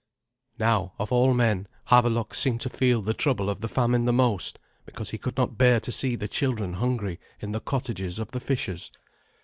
Now, of all men, Havelok seemed to feel the trouble of the famine the most, because he could not bear to see the children hungry in the cottages of the fishers.